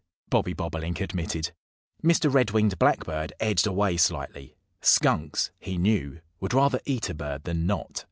Bobby Bobolink admitted. Mr. Red winged Blackbird edged away slightly. Skunks, he knew, would rather eat a bird than not.